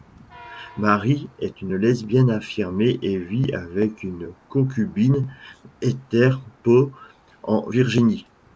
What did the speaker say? Mary est une lesbienne affirmée et vit avec sa concubine Heather Poe en Virginie.